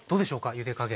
ゆで加減。